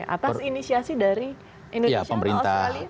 apa inisiasi dari indonesia dan australia